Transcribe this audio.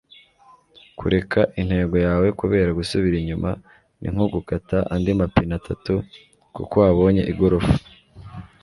kureka intego yawe kubera gusubira inyuma ni nko gukata andi mapine atatu kuko wabonye igorofa